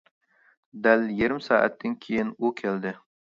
دەل يېرىم سائەتتىن كېيىن ئۇ كەلدى.